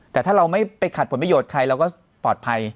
แต่ถ้าเราไม่ไปขัดผลประโยชน์ใครเราก็ปลอดภัย